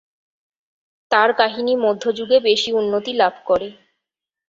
তার কাহিনী মধ্যযুগে বেশি উন্নতি লাভ করে।